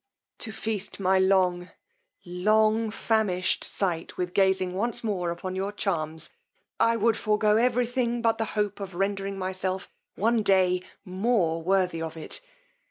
"To feast my long, long famished sight with gazing once more on your charms, I would forgo every thing but the hope of rendering myself one day more worthy of it!